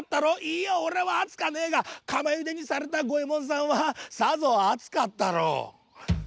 いやおれはあつくはねえがかまゆでにされたごえもんさんはさぞあつかったろう」。